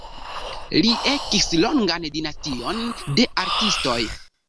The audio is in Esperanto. Li ekis longan dinastion de artistoj.